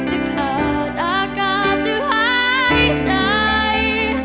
จะขาดอากาศจะหายใจ